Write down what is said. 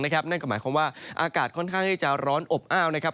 นั่นก็หมายความว่าอากาศค่อนข้างที่จะร้อนอบอ้าวนะครับ